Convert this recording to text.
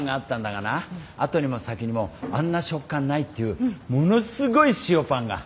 がな後にも先にもあんな食感ないっていうものすごい塩パンが。